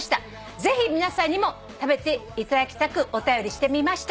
ぜひ皆さんにも食べていただきたくお便りしてみました」